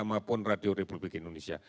maupun radio republik indonesia